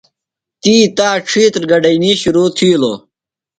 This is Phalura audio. تی تا ڇِھیتر گڈئینی شرو تِھیلوۡ۔